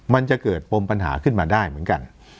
มันจะเกิดปมปัญหาขึ้นมาได้เหมือนกัน